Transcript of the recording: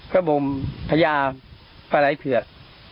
เขาบอกมันพญาปลาไหลเผือก